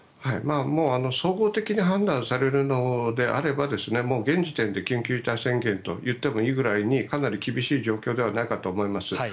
総合的に判断されるのであればもう現時点で緊急事態宣言といってもいいぐらいにかなり厳しい状況ではないかと思います。